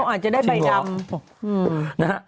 เขาอาจจะได้ใบดำ